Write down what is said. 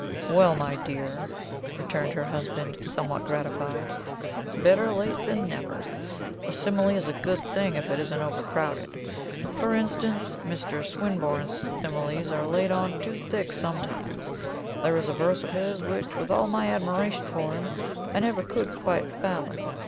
"Well, my dear," returned her husband, somewhat gratified, "better late than never. A simile is a good thing if it isn't overcrowded. For instance, Mr. Swinburne's similes are laid on too thick sometimes. There is a verse of his, which, with all my admiration for him, I never could quite fathom.